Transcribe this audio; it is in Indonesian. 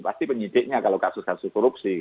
pasti penyidiknya kalau kasus kasus korupsi